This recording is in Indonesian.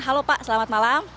halo pak selamat malam